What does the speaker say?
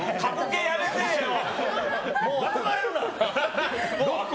もう憧れるな！